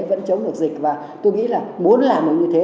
vẫn chống được dịch và tôi nghĩ là muốn làm được như thế